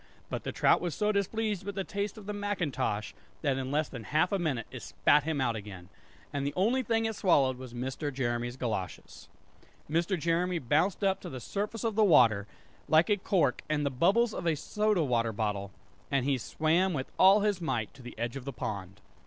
But the trout was so displeased with the taste of the macintosh, that in less than half a minute it spat him out again; and the only thing it swallowed was Mr. Jeremy's goloshes. Mr. Jeremy bounced up to the surface of the water, like a cork and the bubbles out of a soda water bottle; and he swam with all his might to the edge of the pond.